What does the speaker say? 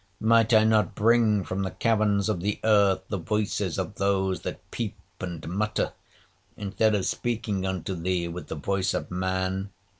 Might I not bring from the caverns of the earth the voices of those that 'peep and mutter,' instead of speaking unto thee with the voice of man?